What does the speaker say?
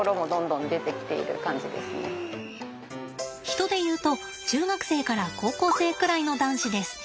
人で言うと中学生から高校生くらいの男子です。